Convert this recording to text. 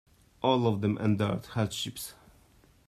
All of them endured hardships.